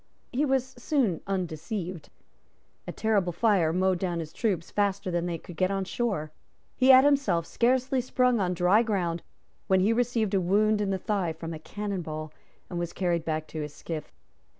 He was soon undeceived. A terrible fire mowed down his troops faster than they could get on shore. He had himself scarcely sprung on dry ground when he received a wound in the thigh from a cannon ball, and was carried back to his skiff.